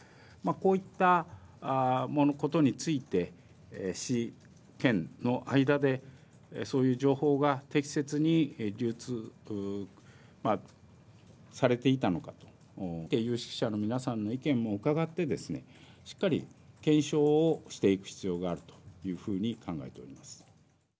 こういったことについて市、県の間でそういう情報が適切に流通されていたのかという有識者の意見もうかがってしっかり検証をしていく必要があるというふうに考えております。